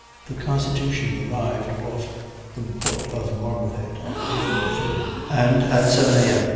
The Constitution arrived off the port of Marblehead on April 3d, and at 7 A.M.